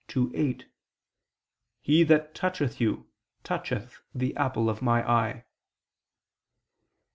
2:8: "He that toucheth you, toucheth the apple of My eye."